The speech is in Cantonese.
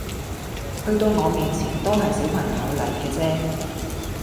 去到我面前都係小朋友嚟嘅啫